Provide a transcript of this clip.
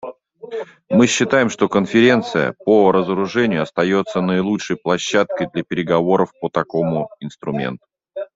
Мы считаем, что Конференция по разоружению остается наилучшей площадкой для переговоров по такому инструменту.